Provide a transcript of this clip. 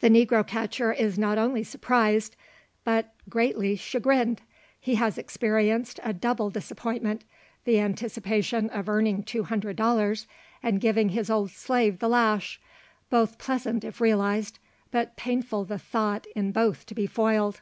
The negro catcher is not only surprised, but greatly chagrined. He has experienced a double disappointment the anticipation of earning two hundred dollars, and giving his old slave the lash: both pleasant if realised, but painful the thought in both to be foiled.